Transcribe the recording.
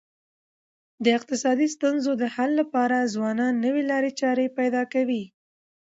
د اقتصادي ستونزو د حل لپاره ځوانان نوي لاري چاري پیدا کوي.